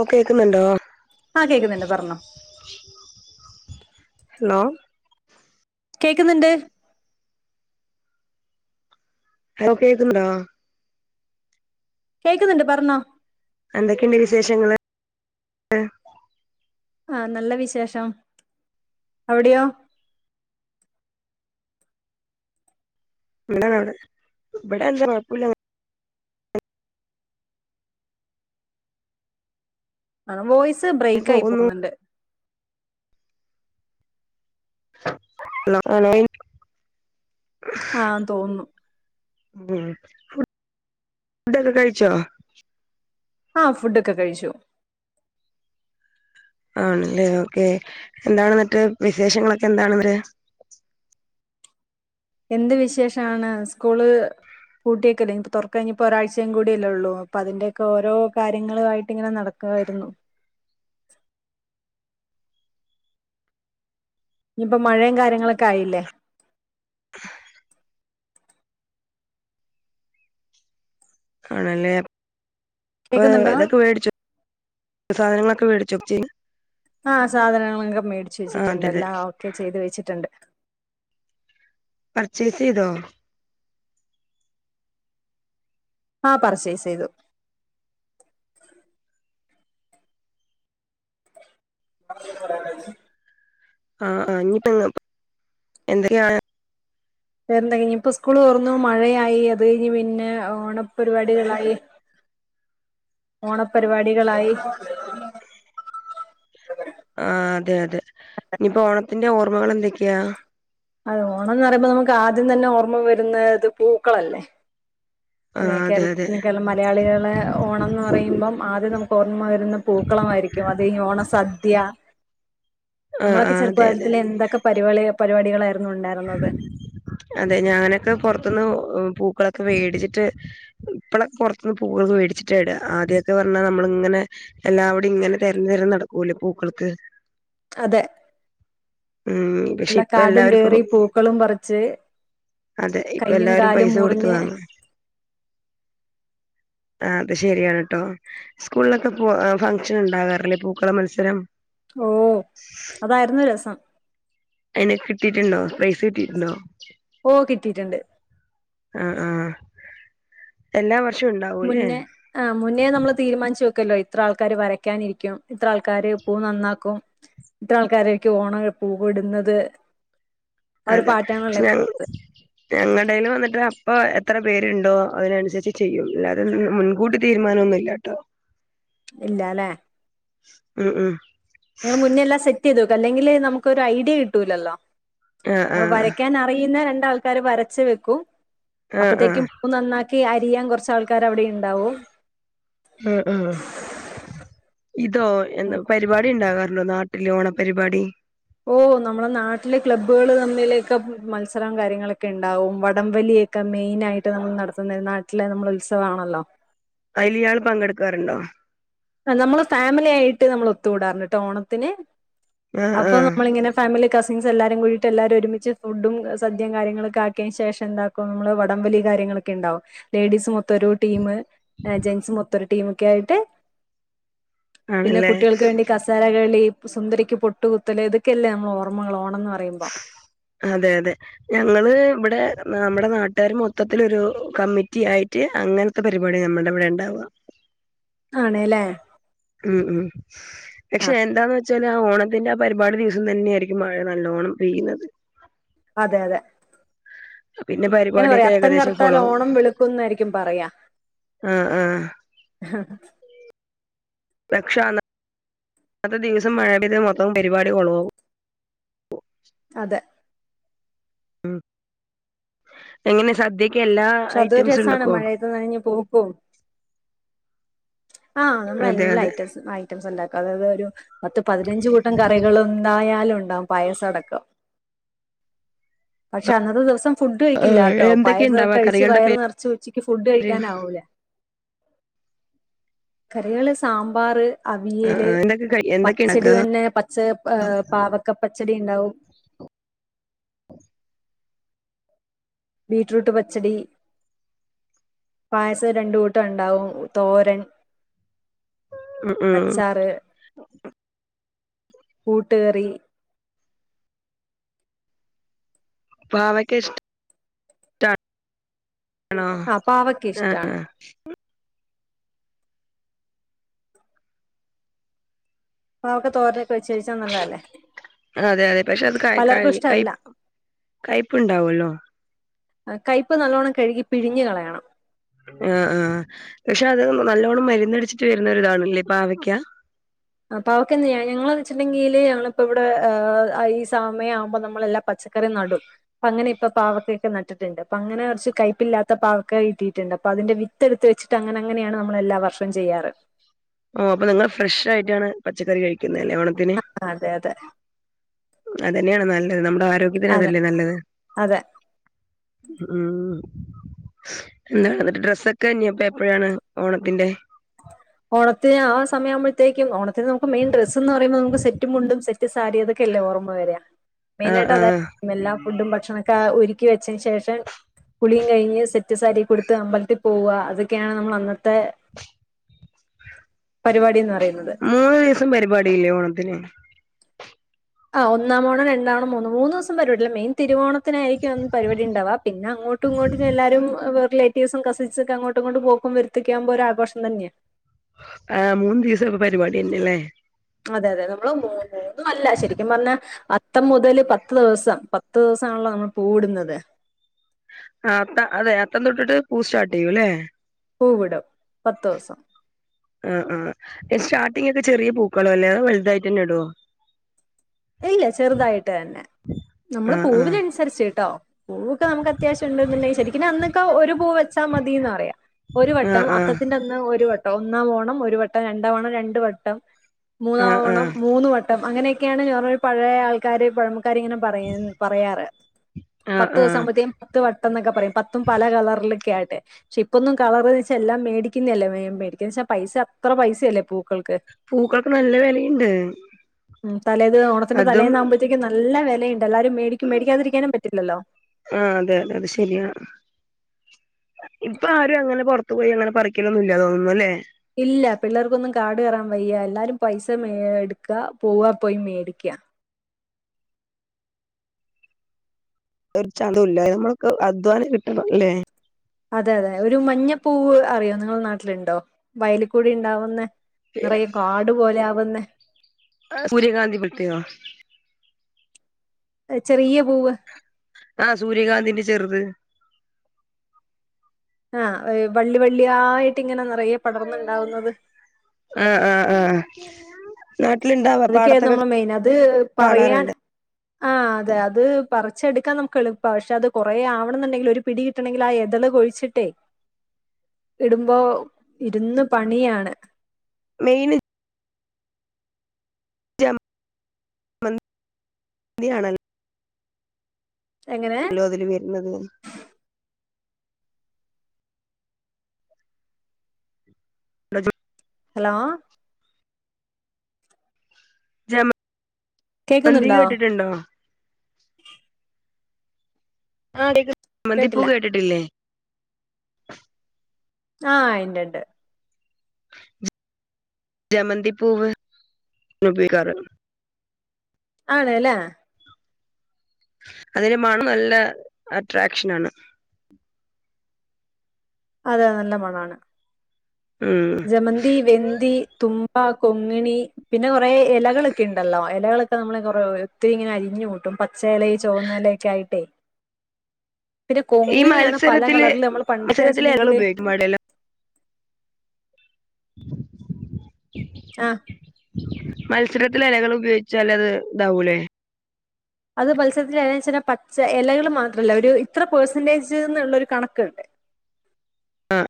ഓഹ് കേക്ക്ന്നുണ്ടോ ആഹ് കേക്കുന്നുണ്ട് പർഞ്ഞോ ഹലോ കേക്ക്ന്ന്ണ്ട്. ഹലോ കേക്ക്ണ്ടോ? കേക്ക്ന്ന്ണ്ട് പർഞ്ഞോ എന്തൊക്കെണ്ട് വിശേഷങ്ങള് ആഹ് നല്ല വിശേഷം അവിടെയോ [unintelligible] ഇബടെന്താ കൊഴപ്പുല്ല അങ്ങ ആഹ് വോയിസ് അങ്ങനെ ബ്രേക്ക് ആയി പോകുന്നു പോകുന്നുണ്ട് ഹലോ ആഹ് തോന്നുന്നു [unintelligible] ഫ് ഫുടൊക്കെ കൈച്ചോ ആഹ് ഫുടോക്കെ കഴിച്ചു ആണ് ല്ലേ ഓക്കേ എന്താണ്ന്നിട്ട് വിശേഷങ്ങളൊക്കെ എന്താണ് ഇവര് എന്ത് വിശേഷാണ് സ്കൂള് പൂട്ടിയെക്കല്ലെ ഇനി പ്പോ തുറക്കഴിഞ്ഞപ്പോ ഒരാഴ്ചയും കൂടിയെല്ലേള്ളൂ അപ്പ അതിന്റെ ഒക്കെ ഓരോ കാര്യങ്ങള് ആയിട്ട് ങ്ങനെ നട ക്കായിരുന്നു ഇനിയിപ്പോ മഴിം കാര്യങ്ങളൊക്കെ ആയില്ലേ ആണല്ലേ കേക്കുന്നുണ്ടോ ഇതൊക്കെ വെടിചോ സാധനങ്ങളൊക്കെ വേടിച്ചുച്ചിന് ആഹ് സാധനങ്ങളക്കെ മേടിച്ചു ആ വെച്ചിട്ടുണ്ട് അതെ അതെ എല്ലാം ഒക്കെ ചെയ്തു വെച്ചിട്ടുണ്ട് പർച്ചേയ്സെയ്തോ ആഹ് പർച്ചേസെയ്തു ആഹ് ആഹ് ഇനിയിപ്പ എന്തൊക്കെ യ [unintelligible] ഇനിഇപ്പൊ സ്കൂള് തോർന്നു മഴയായി അത് കയ്ഞ്ഞ് പിന്നെ ഓണ പരിപാടികളായി ഓണപരിപാടികളായി ആഹ് അതെ അതെ ഇനിപ്പോ ഓണത്തിന്റെ ഓർമ്മകൾ എന്തൊക്കെയാ ഓണംന്ന് പറയുമ്പോ നമുക്ക് ആദ്യം തന്നെ ഓർമ്മ വരുന്നത് പൂക്കളല്ലേ ആ അതെ അതെ കേര മലയാളികളെ ഓണം ന്ന് പറയുമ്പം ആദ്യം നമുക്ക് ഓർമ്മ വരുന്ന പൂക്കളമായിരിക്കും അത് കയിഞ്ഞു ഓണ സദ്യ ആ ആ നമ്മളൊക്കെ ചെറുപ്പ അതെ അതെ കാലത്തില് എന്തൊക്കെപാരിപളി പരിപാടികായി അതെ ഞനൊക്കെ പുറത്തുന്ന് പൂക്കളൊക്കെ വേടിച്ചിട്ട് ഇപ്പഴെ പുറത്തുന്ന് പൂവോക്കെ മേടിച്ചിട്ടായിട ആദ്യക്കെ പറഞ്ഞാ നമ്മള ങ്ങനെ എല്ലാവിടെ ങ്ങനെ തെരഞ് രഞ് നടക്കൂല്ലേ പൂക്കൾക്ക് അതെ ഉം പക്ഷെ ഉള്ള ഇപ്പ കാടും എല്ലാവരും ഇപ്പോ കേറി പൂക്കളും പറിച്ച് അതെ ഇപ്പ കയ്യും എല്ലാരും കാലും പൈസ കൊടുത് മുറിഞ്ഞ് വാങ്ങ ആഹ് അത് ശെരിയാണ് ട്ടോ സ്കൂളിലൊക്കെ പോ ഫംഗ്ഷൻ ഉണ്ടാകാറില്ലേ പൂക്കള മത്സരം ഓഹ് അതായിരുന്നു രസം അയ്ന് കിട്ടിട്ടുണ്ടോ പ്രൈസ് കിട്ടിട്ടുണ്ടോ ഓഹ് കിട്ടിയിട്ടുണ്ട് ആഹ് ആഹ് എല്ലാ വർഷവും ഉണ്ടാവൂല്ലേ ആഹ് മുന്നേ നമ്മള് തീരുമാനിച്ചു വെക്കല്ലോ ഇത്ര ആൾക്കാര് വരയ്ക്കാനിരിക്കും ഇത്ര ആൾക്കാര് പൂവ് നന്നാക്കും ഇത്ര ആൾക്കാരായിക്കും ഓണം പൂവിടുന്നത് അതെ പക്ഷെ ഞാൻ ഞങ്ങളടേൽ വന്നിട്ട് അപ്പ എത്ര പേരുണ്ടോ അതിനനുസരിച്ച് ചെയ്യും അല്ലാതെ മുൻകൂട്ടി തീരുമാനന്നുല്ലട്ടോ. ഇല്ല ല്ലേ. ഉം ഉം ഞാൻ മുന്നേയല്ലാം സെറ്റ് ചെയ്ത് വെക്കും. അല്ലങ്കില് നമുക്കൊരു ഐഡിയ കിട്ടൂലല്ലോ. ആഹ് അപ്പ ആഹ് വരയ്ക്കാൻ അറിയുന്ന രണ്ടാൾക്കാര് വരച്ച് വെക്കും ആഹ് ആഹ് അപ്പത്തേക്കും. നന്നാക്കി അരിയാൻ കൊറച്ച് ആൾക്കാര് അവിടെ ഉണ്ടാവും. ഉം ഉം ഇതോ എന്താ പരിപാടി ഉണ്ടാവാറുണ്ടോ നാട്ടില്? ഓണ പരിപാടി ഓഹ് നമ്മളെ നാട്ടിലെ ക്ലബ്ബുകള് തമ്മിലൊക്കെ മത്സരം കാര്യങ്ങളൊക്കെ ഉണ്ടാവും വടംവലിയൊക്കെ ക്കെ മെയിൻ ആയിട്ട് നമ്മള് നടത്തുന്നത് നാട്ടിലെ നമ്മളെ ഉത്സവമാണല്ലോ. അയിലിയാൾ പങ്കെടുക്കാറുണ്ടോ? നമ്മള് ഫാമിലി ആയിട്ട് നമ്മള് ഒത്തുകൂടാറുണ്ട്ട്ടോ ഓണത്തിന്. ആഹ് അപ്പൊ ആഹ് നമ്മളിങ്ങനെ ഫാമിലി കസിൻസ് എല്ലാരും കൂടിയിട്ട് എല്ലാരും ഒരുമിച്ച് ഫുഡും സദ്യേം കാര്യങ്ങളൊക്കെ ആക്കിയതിന് ശേഷം ന്താ ഇപ്പം നമ്മള് വടംവലി കാര്യങ്ങളൊക്കെ ഉണ്ടാവും. ലേഡീസ് മൊത്തം ഒരു ടീമ്. ജെൻസ് മൊത്തം ഒരു ടീമൊക്കെ ആയിട്ട്. പിന്നെ ആണല്ലേ കുട്ടികൾക്ക് വേണ്ടി കസാരകളി സുന്ദരിക്ക് പൊട്ടുകുത്തല് ഇതൊക്കെല്ലേ നമ്മള് ഓർമ്മകൾ ഓണം എന്ന് പറ [unintelligible] മ്പ അതെ അതെ ഞങ്ങള് ഇവിടെ നമ്മുടെ നാട്ടാര് മൊത്തത്തിലൊരു കമ്മിറ്റി ആയിട്ട് അങ്ങ നത്തെ പരിപാടിയാ നമ്മടെവിടെ ഇണ്ടാവ. ആണ്ല്ലേ ഉം ഉം ആ പക്ഷെ എന്താന്ന് വെച്ചാല് ആ ഓണത്തിന്റെ ആ പരിപാടി ദിവസം തന്നെയായിയിരിക്കും മഴ നല്ലോണം പെയ്യുന്നത്. അതെ അതെ പിന്നെ ങ്ങനെ പറയാ പരിപാടിയൊക്കെ അത്തം ഏകദേശം കറ്ത്താൽ കൊളാവും ഓണം വെളുക്കും എന്നായിരിക്കും പറയാ. ആഹ് ആഹ് [unintelligible] അന്നത്തെ ദിവസം മഴ പെയ്ത മൊത്തം പരിപാടി കൊളോവും. അതെ ഉം എങ്ങനെ സദ്യക്ക് എല്ലാ ക്ഷെ ഐറ്റംസും അതൊരസാണ് ഉണ്ടാക്കോ മഴയത്ത് നനഞ് പോക്കും. ആഹ് നമ്മളെ അതെ എല്ലാ അതെ ഐറ്റംസും ആയി. ഐറ്റംസും ഇണ്ടാക്കും അതായത് ഒരു പത്ത് പതിനഞ്ച് കൂട്ടം കറികളും ന്തായാലും ഉണ്ടാവും പായസം അടക്കം. പക്ഷെ അന്നത്തെ ദിവസം. ഫുഡ് ആഹ് കഴിക്കില്ലാട്ടോ. എന്തൊക്കെ പായസൊക്കെ ഇണ്ടാവാ കഴിച്ച് കറികളുടെ വയർ പേര് നിറച്ച് ഉച്ചിക്ക് ഫുഡ് ആഹ് കഴിക്കാനാവു ല്ല. കറികള് സാമ്പാറ് അവിയല്, ആഹ് എന്തൊക്കെ കഴി എന്തൊക്കെ പച്ചടി ഇണ്ടാക്കാ തന്നെ പച്ച പാ പാവക്കപ്പച്ചടി ഇണ്ടാവും. ബീറ്റ്റൂട്ട് പച്ചടി പായസം രണ്ട് കൂട്ടം ഒണ്ടാവും തോരൻ ഉം ഉം അച്ചാറ്, കൂട്ടുകറി പാവക്ക ഇഷ്ട ആഹ് പാവക്ക ആഹ് ഇഷ്ടാണ്. ആഹ് പാവക്ക തോരനൊക്കെ വെച്ച് കഴിച്ചാ നല്ലതല്ലേ അതെ അതെ. പക്ഷെ അത് ക പലർക്കും കഴി കയ് ഇഷ്ടല്ല കയ്പ്പുണ്ടാവൂല്ലോ കൈപ്പ് നല്ലോണം കഴുകി പിഴിഞ്ഞു കളയണം. ആഹ് ആഹ് പക്ഷെ അത് നല്ലോണ്ണം മരന്നടിച്ചിട്ട് വരുന്ന ഒരിതാണല്ലേ പാവയ്ക്ക പാവയ്ക്കെന്ത് ചെയ്യാന്നാ ഞങ്ങളത് വെച്ചിട്ടണ്ടെങ്കില് ഞങ്ങളിപ്പോ ഇവിടെ ഈ സമം ആവുമ്പോ നമ്മളെല്ലാ പച്ചക്ക ക്കറി നടും. അപ്പ അങ്ങനെ ഇപ്പ പാവക്കൊക്കെ നട്ട്ട്ട് ഇണ്ട് അപ്പ അങ്ങനെ കൊറച്ച് കൈപ്പ് ഇല്ലാത്ത പാവക്ക കിട്ടിട്ട് ഇണ്ട് അപ്പ അതിന്റെ വി ത്ത് ഇട്ത്ത് വെച്ചിട്ട് അങ്ങനെ അങ്ങനെ ആണ് നമ്മൾ എല്ലാ വർഷും ചെയ്യാറ് ഉം അപ്പ നിങ്ങൾ ഫ്രഷയിട്ടാണ് പച്ചക്കറി കഴിക്കുന്നെലെ ഓണത്തിന് അതെ അതെ അതെന്നെയാണ് നല്ലത് നമ്മുടെ ആരോഗ്യത്തിന് അത് അതെ അല്ലെ നല്ലത് അതെ ഉം എന്താണ് ഇന്നെട്ട് ഡ്രസ്സൊക്കെ ഇഞ്ഞ് ഇപ്പം എപ്പഴാണ് ഓണത്തിന്റെ ഓണത്തിന് ആ സമയം ആവുമ്പഴ്ത്തേക്കും ഓണത്തിന് നമുക്ക് മൈൻ ഡ്രെസ് എന്ന് പറിയുമ്പോ നമുക്ക് സെറ്റും മുണ്ടും സെ റ്റ് സാരി അതൊക്കെ അല്ലെ ഓർമ്മ വെരാ ആഹ് മെയിനായിട്ട് അത് ആഹ് എല്ലാം ഫുഡും ഭക്ഷണം ഒ ക്കാ ഒര്ക്കി വെച്ചയിന് ശേഷം കുളിം കഴിഞ്ഞ് സെറ്റ് സാരി ഒക്കെ ഉട്ത്ത് അമ്പലത്തിൽ പോവാ അതൊക്കെയാണ് നമ്മളെ അന്നത്തെ പരിപാടി എന്ന് പറയുന്നത് മൂന്ന് ദിവ്സം പരിപാടിയില്ലെ ഓണത്തിന് ആഹ് ഒന്നാം ഓണം രണ്ടാം ഓണം മൂന്ന് മൂന്നുസം വരോല്ലോ മെയിൻ തിരുവോണം ത്തിനായിരിക്കും അന്ന് പരിപടി ഇണ്ടാവാ പിന്നെ അങ്ങോട്ടും ഇങ്ങോട്ടും എല്ലാരും [unintelligible] റ്റേ ദിവ്സം കസിൻസൊക്കെ അങ്ങോട്ടും ഇങ്ങോട്ടും പോകും വര്ത്തോക്കെ ആകുമ്പോ ഒര് ആഘോഷം തന്നെയാ ആഹ് മൂന്ന് ദീസം ഒള്ളു പരിപാടിയെന്നെ ലെ അതെ അതെ നമ്മൾ മൂ മൂന്നും അല്ല ശരിക്കും പർണാ അത്തം മുതെൽ പത്ത് ദിവ്സം പത്ത് ദിവ്സം ആണല്ലോ നമ്മൾ പൂവ് ഇട്ന്നെത് ആഹ് അത്ത അതെ അത്തം തൊട്ട്ട്ട് പൂവ് സ്റ്റാർട്ട് ചെയ്യും ലെ പൂവ് ഇടും പത്ത് ദുവ്സം ആഹ് ആഹ് ഈ സ്റ്റാർട്ടിംങ് ഒക്കെ ചെറിയ പൂക്കളും അല്ലെ അതോ വെല്തായിട്ട് എന്നെ ഇടോ? ഇല്ല ചെറുതായിട്ട് തന്നെ നമ്മൾ ആഹ് പൂവിന് ആഹ് അനുസെരിച്ച് കേട്ടോ പൂവൊക്കെ നമുക്ക് അത്യാവ്ശ്യം ഇണ്ട്ന്ന് ഇണ്ടെങ്കിൽ ശരിക്ക്നും അന്നൊക്കെ ഒരു പൂവ് വെച്ചാ മതിന്നാ പറയാ ഒര് ആഹ് വട്ടം ആഹ് അത്തത്തിന്റെ അന്ന് ഒര് വ ട്ടം ഒന്നാം ഓണം ഒര് വട്ടം രണ്ടാം ഓണം രണ്ട് വട്ടം മൂന്നാം ആഹ് ഓണം ആഹ് മൂന്ന് വട്ടം ട്ടം അങ്ങനെയൊക്കെയാണ് [unintelligible] പഴയ ആൾക്കാര് പഴമക്കാര് ഇങ്ങനെ പറിം പറയാറ് ആഹ് പത്ത് ദിവ്സം ആഹ് ആകുമ്പോഴ്ത്തെ പത്ത് വട്ടം എന്നൊക്കെ പറയും പത്തും പല കളറിലൊക്കെ ആയിട്ട് പക്ഷെ ഇപ്പൊന്നും കളർന്ന് വെച്ചാ എല്ലാം മേടിക്കിന്നെ അല്ലെ മേ മേടിക്കെന്ന് വെച്ചാ പൈസ അത്ര പൈസയല്ലെ ഇപ്പോ പൂക്കെൾക്ക് നല്ല വെല ഇണ്ട് ഇത് ഇതാ ഓണത്തിന്റെ തലേന്നാകുമ്പഴ്ത്തേക്ക് നല്ല വെലെണ്ട് എല്ലാരും മേടിക്കും മേടിക്കാതിരിക്കാനും പറ്റില്ലല്ലോ ആഹ് അതെ അതെ അത് ശരിയാണ് ഇപ്പ ആരും അങ്ങനെ പൊറ്ത്തു പോയി അങ്ങനെ പറിക്കലൊന്നും ഇല്ലാ തോന്നുന്നു ലെ ഇല്ല പിള്ളേർക്കൊന്നും കാട് കേറാൻ വയ്യ എല്ലാരും പൈസ മേ ഇട്ക്കാ പോവാ പോയി മേടിക്കാ ഒരു ചന്തവും ഇല്ലാ നമ്മളൊക്കെ അധ്വാനം കിട്ടെണം ലെ അതെ അതെ ഒരു മഞ്ഞപ്പൂവ് അറിയോ നിങ്ങളെ നാട്ടില് ഇണ്ടോ വയലി കൂടി ഇണ്ടാവുന്നെ നെറയെ കാട് പോലെ ആവുന്നെ സൂര്യഗാന്ധി പോൽത്തെയോ എഹ് ചെറിയ പൂവ് ആഹ് സൂര്യകാന്തിന്റെ ചെറ്ത് ആഹ് വള്ളി വള്ളിയായിട്ട് ഇങ്ങനെ നെറയെ പടർന്ന് ഇണ്ടാവുന്നെത് ആഹ് ആഹ് ആഹ് നാട്ട്ൽ ഇണ്ടാവാ അതൊക്കെയായിരുന്നു പാടത്തൊക്കെ നമ്മളെ മെയിൻ അത് കാണാർ പറയാൻ ഇണ്ട് ആഹ് ഉ അതെ അത് പറിച്ചെടുക്കാൻ നമുക്ക് എൾപ്പാ പക്ഷെ അത് കൊറേ ആവണംന്ന് ഇണ്ടെങ്കിൽ ഒരു പിടി കിട്ടണങ്കിൽ ആ എതൾ കൊഴിച്ചിട്ടേ ഇടുമ്പോ ഇര്ന്ന് പണിയാണ് മെയിന് ജമ മൻ ന്തി ആണൽ എങ്ങനെ? ല്ലോ അതില് വരുന്നത് ഹലോ ജമ മന്തി കേക്കുന്നുണ്ടോ കേട്ടിട്ടുണ്ടോ? ആ കേക്ക് മന്തിപ്പൂ കേട്ടില്ല കേട്ടിട്ടില്ലേ? ആ ഇണ്ട് ണ്ട് ജ ജമന്തിപൂവ് [unintelligible] ആണ്ലെ. അതിന്റെ മണം നല്ല അട്രാക്ഷനാണ്. അത നല്ല മണാണ്. ഉം ജമന്തി, വെന്തി, തുമ്പ, കൊങ്ങ്ണി. പിന്നെ കൊറേ എലകളൊക്കെ ഉണ്ടല്ലോ എലകളൊക്കെ നമ്മള് ഒത്തിരി ഇങ്ങനെ അരിഞ്ഞ് കൂട്ടും പച്ച ഇലേ ചോന്നഇലേ ക്കായായിട്ട് ഈ പല മത്സരത്തില്, കളറിൽ നമ്മൾ പണ്ടൊക്കെ മത്സരത്തില് ഞങ്ങള് വെച്ചിട്ടുണ്ടെങ്കില് ഉപയോഗിക്കും വാഴയില [inaudible] അ മത്സരത്തില് എലകൾ ഉപയോഗിച്ചാലത് താവൂലേ? അത് മത്സരത്തില് എങ്ങനെ വെച്ച് കഴിഞ്ഞാൽ പച്ച എലകള് മാത്രല്ല ഒരു ഇത്ര പേർസെന്റേജ്ന്നുള്ള ഒരു കണക്ക്ണ്ട് [inaudible]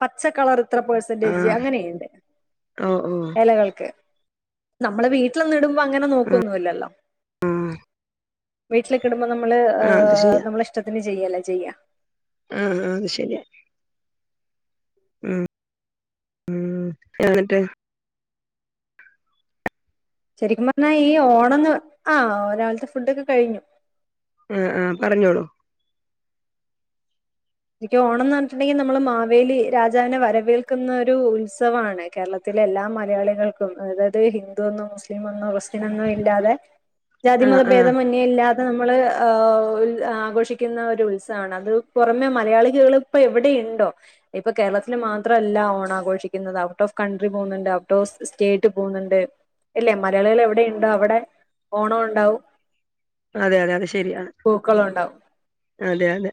പച്ചക്കളറ് ഇത്ര പെർസെന്റേജ് ആഹ് അങ്ങനെയുണ്ട് ഓഹ് ഓഹ് എലകൾക്ക്. നമ്മള് വീട്ടിലൊന്നും ഇടുമ്പൊ അങ്ങനെ നോക്കൊന്നുല്ലല്ലോ. ആഹ് വീട്ടിലൊക്കെ ഇടുമ്പൊ നമ്മള് ഏ ആഹ് അത് ശരിയാ നമ്മള ഇഷ്ടത്തിന് ചെയ്യല്ലേ ചെയ്യാ ആഹാ അത് ശെരിയാ ഉം ഉം [unintelligible] ശരിക്കും പറഞ്ഞാ ഈ ഓണംന്ന്, ആ രാവിലത്തെ ഫുഡോക്കെ കഴിഞ്ഞു. ഉം ആ പറഞ്ഞോളു. ഇതിക്ക് ഓണന്ന് പറഞ്ഞിട്ടണ്ടെങ്കി നമ്മള് മാവേലി രാജാവിനെ വരവേൽക്കുന്ന ഒരു ഉത്സവാണ് കേരള ത്തിലെ എല്ലാ മലയാളികൾക്കും അതായത് ഹിന്ദുവെന്നും മുസ്ലി സ്ലിമെന്നോ ക്രിസ്ത്യനെന്നോ ഇല്ലാതെ ആഹ് ജാതിമത ആഹ് ഭേദമന്യേ. ഇല്ലാതെ നമ്മള് ഏ ആഘോഷിക്കുന്ന ഒരു ഉത്സവാണ് അത് പുറമെ മലയാളികേള് ഇപ്പൊ എവിടെയുണ്ടോ? ഇപ്പൊ കേരളത്തില് മാത്രല്ല ഓണാഘോഷിക്കുന്നത് ഔട്ട് ഓഫ് കൺട്രി പോന്നുണ്ട് ഔട്ട് ഓഫ് സ്റ്റേറ്റ് പോന്നുണ്ട്. ഇല്ലെ മലയാളികള് എവിടെയുണ്ടോ അവിടെ ഓണോ ഒണ്ടാവും. അതെ അതെ അത് ശെരിയാണ്. ഉണ്ടാവും അതെ അതെ.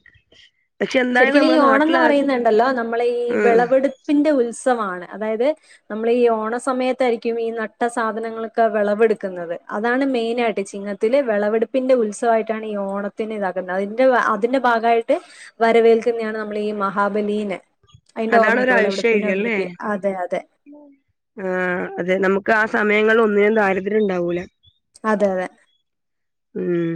പക്ഷെ എന്തായാലും ശെരിക്കു ഈ നമ്മുടെ നാട്ടിൽ ഓണംന്ന് ആ പറയുന്നുണ്ടല്ലോ നമ്മളെ ഈ ഉം വെളവെടുപ്പിന്റെ ഉത്സവാണ് അതായത്. നമ്മളീ ഓണ സമയത്തായിരിക്കും ഈ നട്ട സാധനങ്ങളൊക്കെ വെളവെടുക്കുന്നത് അതാണ് മെയിനായിട്ട് ചിങ്ങ ത്തില് വെളവെടുപ്പിന്റെ ഉത്സവായിട്ടാണ് ഈ ഓണത്തിന് ഇതാകുന്നത് അതിന്റെ അതിന്റെ ഭാഗായിട്ട്. വരവേൽക്കുന്നെയാണ് നമ്മളീ മഹാബലീനെ അയിന്റെ അതാണ് ഓർമ്മയ്ക്ക് വെളവെടുപ്പിന്റെ ഓർമ്മക്ക് അതെ അതെ. ആ, അതെ നമുക്ക് ആ സമയങ്ങളിൽ ഒന്നിനും ദാരിദ്ര്യം ണ്ടാവൂല. അതഅതെ. ഉം,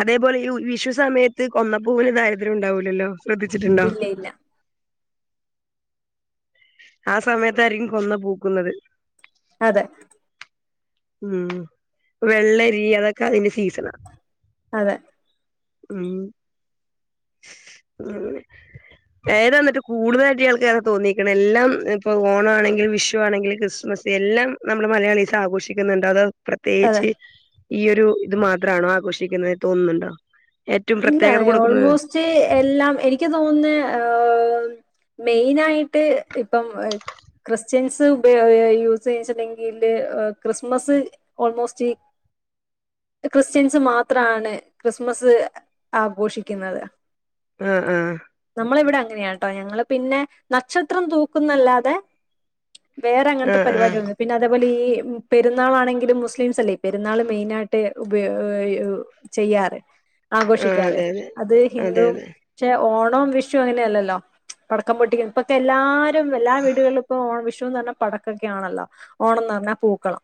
അതേപോലെ ഈ വിഷു സമയത്ത് കൊന്നപ്പൂവിന് ദാരിദ്ര്യം ഉണ്ടാവൂലല്ലോ. ശ്രദ്ധിച്ചിട്ടുണ്ടോ?. ഇല്ല ഇല്ല ആ സമയത്തായിരിക്കും കൊന്ന പൂക്കുന്നത്. അതെ ഉം വെള്ളരി അതൊക്കെ അതിന്റെ സീസണ. അതെ ഉം ഏതാ ഇന്നട്ട് കൂടുതലായിട്ട് ഇയാൾക്ക്ഏതാ തോന്നീക്ക്ണ്. എല്ലാം ഇപ്പൊ ഓണണെങ്കിലും. വിഷുവാണെങ്കിലും ക്രിസ്മസ്. എല്ലാം നമ്മടെ മലയാളീസ് ആഘോഷിക് [unintelligible] ക്കുന്നുണ്ടോ അത് അതെ പ്രത്യേകിച്ച് ഈ ഒരു ഇത് മാത്രാണോ ആഘോഷിക്കുന്നത് തോന്നുന്നുണ്ടോ. ഏറ്റവും പ്രത്യേകത കൊടുക്കുന്നത്. ക്ഷേ എല്ലാം എനിക്ക് തോന്നുന്നേ ഏഹ്. മെയിനായിട്ട് ഇപ്പം. ക്രിസ്ത്യൻസ് ഉപ യൂസ് ചെയി [unintelligible] ങ്കില് ക്രിസ്മസ് ഓൾമോസ്റ്റ്. ഈ ക്രിസ്ത്യൻസ് മാത്രാണ് ക്രിസ്മസ് ആഘോഷിക്കുന്നത്. ആഹ്. ആഹ് നമ്മളെ ഇവടെ അങ്ങനെയാട്ടോ. ഞങ്ങള് പിന്നെ നക്ഷത്രം തൂക്കുന്നല്ലാതെ. വേറെ അങ്ങൻത്തെ ആഹ് ആഹ് പരിപാടിക [unintelligible] ഉ പിന്നെ അതേപോലെ ഈ പെരുന്നാളാണെങ്കിലും മുസ്ലിംസ് അല്ലേ പെരുന്നാൾ മെയിന ആയിട്ട് ഉപയോ [unintelligible] ചെയ്യാറ്. ആഹ് ആഘോഷിക്കാറ്. അതെ അതെ അത് അതെ അതെ ഹിന്ദു ച്ചെ ഓണവും വിഷു അങ്ങനെയല്ലല്ലോ. പടക്കം പൊട്ടിക്കുന്ന ഇപ്പൊക്കെ എല്ലാരും എല്ലാ വീടുകളിലും ഇപ്പൊ ഓ വിഷുന്ന് പറഞ്ഞാ പടക്കൊക്കെ ആണല്ലോ. ഓണം ഇന്ന് പറഞ്ഞാൽ പൂക്കളം.